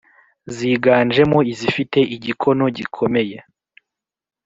ziganjemo izifite igikono gikomeye